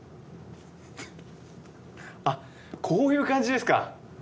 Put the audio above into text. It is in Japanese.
あ、こういう感じですか。